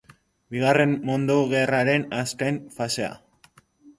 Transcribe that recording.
Bigarren Mundu Gerraren azken fasea.